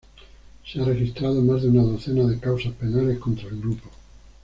Se ha registrado más de una docena de causas penales contra el grupo.